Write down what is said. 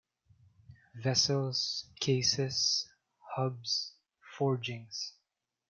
Vessels, cases, hubs, forgings.